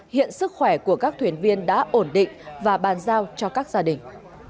hiện sức khỏe của các thuyền viên đã ổn định và bàn giao cho các gia đình